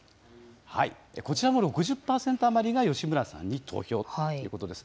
こちらも６０％余りが吉村さんに投票ということです。